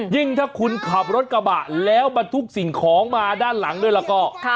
ถ้าคุณขับรถกระบะแล้วบรรทุกสิ่งของมาด้านหลังด้วยแล้วก็